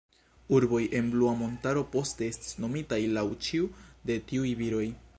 Urboj en Blua Montaro poste estis nomitaj laŭ ĉiu de tiuj viroj.